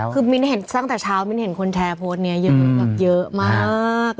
คือมินเห็นตั้งแต่เช้ามินเห็นคนแทรพ์โพสต์นี้เยอะมาก